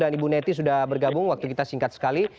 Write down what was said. dan ibu neti sudah bergabung waktu kita singkat sekali